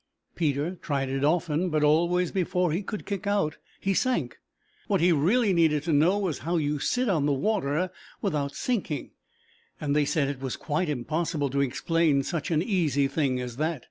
Peter tried it often, but always before he could kick out he sank. What he really needed to know was how you sit on the water without sinking, and they said it was quite impossible to explain such an easy thing as that.